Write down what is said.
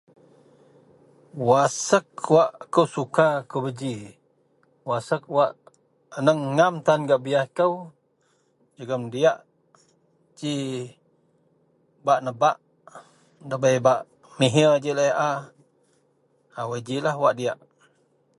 Wak asek wak kou suka kubeji? Wak asek wak aneng ngam tan gak biyaih kou jegem diyak ji bak nebak ndabei bak mihir ji laei a. Wak yen jilah wak diyak.